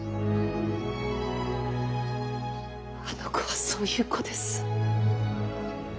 あの子はそういう子です。